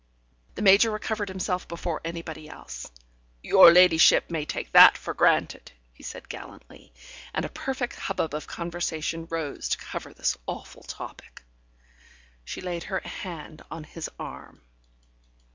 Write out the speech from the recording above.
..." The Major recovered himself before anybody else. "Your ladyship may take that for granted," he said gallantly, and a perfect hubbub of conversation rose to cover this awful topic. She laid her hand on his arm.